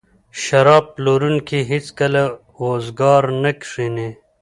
شراب پلورونکی هیڅکله وزګار نه کښیني.